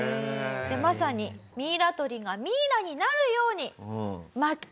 まさにミイラ取りがミイラになるように。